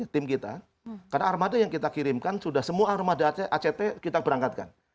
tim kita karena armada yang kita kirimkan sudah semua armada act kita berangkatkan